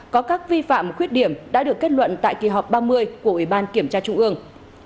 có các vi phạm khuyết điểm đã được kết luận tại kỳ họp ba mươi của ủy ban kiểm tra trung ương